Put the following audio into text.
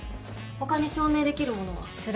他に証明できるものは？